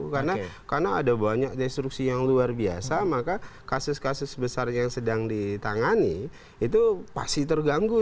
karena ada banyak destruksi yang luar biasa maka kasus kasus besar yang sedang ditangani itu pasti terganggu